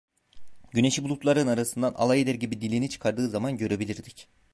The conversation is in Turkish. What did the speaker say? Güneşi bulutların arasından alay eder gibi dilini çıkardığı zaman görebilirdik…